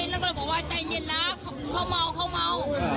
นั่งกันบอกว่าใจเย็นแล้วเข้าเมา